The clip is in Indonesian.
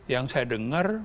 yang saya dengar